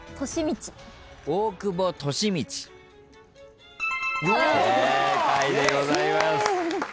正解でございます。